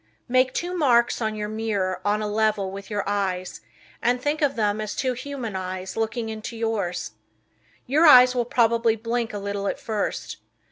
Make two marks on your mirror on a level with your eyes, and think of them as two human eyes looking into yours. Your eyes will probably blink a little at first.